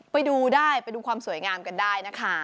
ไปดูได้ไปดูความสวยงามกันได้นะคะ